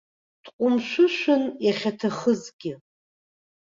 Дҟәымшәышәын, иахьаҭахызгьы.